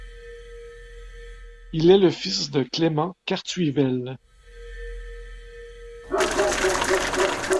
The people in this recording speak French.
Il est le fils de Clément Cartuyvels.